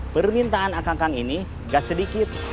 permintaan akang akang ini gak sedikit